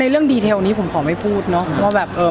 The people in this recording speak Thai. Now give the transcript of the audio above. สาเหตุหลักคืออะไรหรอครับผมว่าเราก็ไม่คอมิวนิเคทกัน